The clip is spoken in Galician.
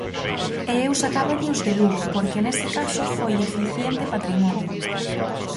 E eu sacáballe os de Lugo porque nese caso foi eficiente Patrimonio.